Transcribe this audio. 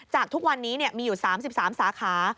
ทุกวันนี้มีอยู่๓๓สาขา